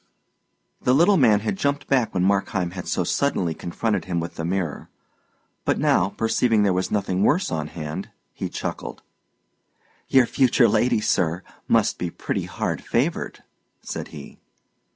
The little man had jumped back when Markheim had so suddenly confronted him with the mirror; but now, perceiving there was nothing worse on hand, he chuckled. "Your future lady, sir, must be pretty hard favoured," said he.